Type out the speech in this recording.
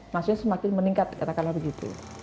maksudnya semakin meningkat katakanlah begitu